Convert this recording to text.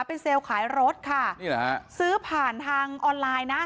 เป็นเซลล์ขายรถค่ะนี่เหรอฮะซื้อผ่านทางออนไลน์นะ